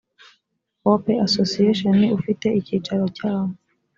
hope association ufite icyicaro cyawo